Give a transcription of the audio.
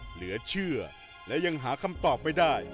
เหลือเชื่อและยังหาคำตอบไม่ได้